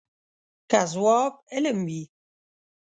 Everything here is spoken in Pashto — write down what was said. که ځواب علم وي.